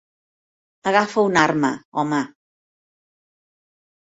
Agafa una arma, home.